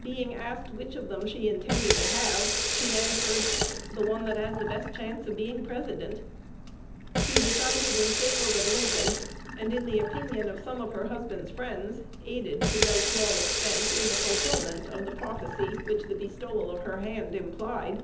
Being asked which of them she intended to have, she answered, "The one that has the best chance of being President." She decided in favor of Lincoln, and, in the opinion of some of her husband's friends, aided to no small extent in the fulfilment of the prophecy which the bestowal of her hand implied.